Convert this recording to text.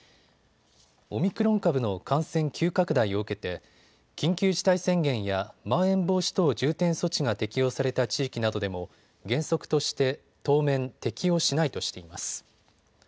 オミクロン株の感染急拡大を受けて緊急事態宣言やまん延防止等重点措置が適用された地域などでも原則として当面適用しないとしています。